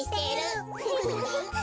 フフフ。